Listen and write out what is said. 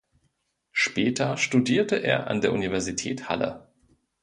Später studierte er an der Universität Halle.